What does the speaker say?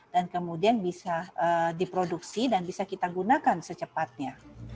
dan kemudian bisa diproduksi dan bisa kita gunakan secepatnya